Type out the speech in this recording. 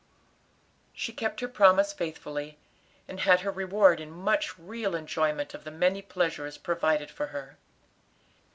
She kept her promise faithfully, and had her reward in much real enjoyment of the many pleasures provided for her.